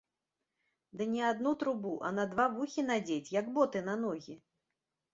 Ды не адну трубу, а на два вухі надзець, як боты на ногі!